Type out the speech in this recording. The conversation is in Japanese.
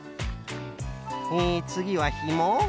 えつぎはひも？